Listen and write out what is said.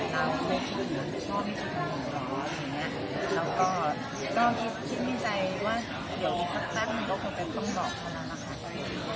แล้วก็คิดในใจว่าเดี๋ยวสักแป๊บมันก็คงจะต้องบอกเท่านั้นนะคะ